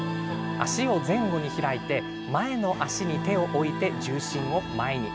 足を前後に開いて前の足に手を置いて重心を前に。